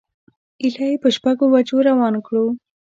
ایله یې په شپږو بجو روان کړو.